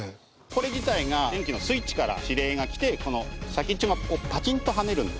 これ自体が電気のスイッチから指令が来てこの先っちょがこうパチンと跳ねるんですよね。